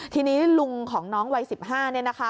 ทีนี้ลุงของน้องวัย๑๕เนี่ยนะคะ